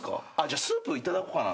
スープいただこうかな。